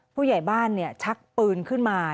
ผู้ใหญ่บ้านชักปืนขึ้นมา